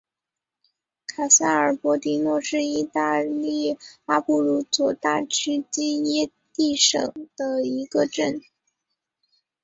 卡萨尔博迪诺是意大利阿布鲁佐大区基耶蒂省的一个镇。